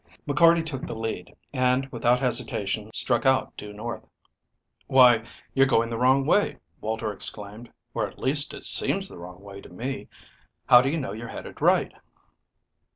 MCCARTY took the lead, and, without hesitation, struck out due north. "Why, you're going the wrong way," Walter exclaimed, "or at least it seems the wrong way to me. How do you know you're headed right?"